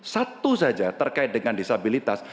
satu saja terkait dengan disabilitas